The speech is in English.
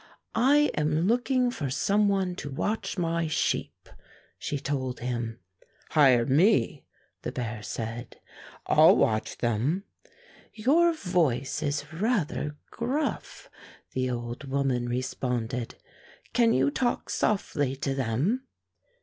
"I am looking for some one to watch my sheep," she told him. "Hire me," the bear said. "I'll watch them." "Your voice is rather gruff," the old 162 Fairy Tale Foxes woman responded. "Can you talk softly to them?"